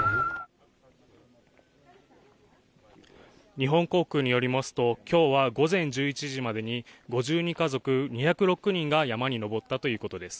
日本航空によりますときょうは午前１１時までに５２家族２０６人が山に登ったということです